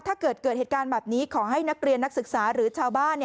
ถ้าเกิดเกิดเหตุการณ์แบบนี้ขอให้นักเรียนนักศึกษาหรือชาวบ้าน